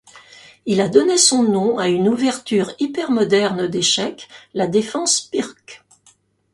Il a donné son nom à une ouverture hypermoderne d'échecs, la défense Pirc.